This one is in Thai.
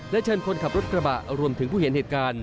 เชิญคนขับรถกระบะรวมถึงผู้เห็นเหตุการณ์